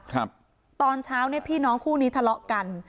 ครับตอนเช้าเนี่ยพี่น้องคู่นี้ทะเลาะกัน